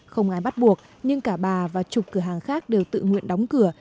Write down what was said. không ai bắt buộc nhưng cả bà và chục cửa hàng khác đều tự nguyện đóng cửa